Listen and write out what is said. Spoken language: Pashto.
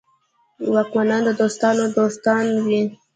واکمنان د دوستانو دوستان وي.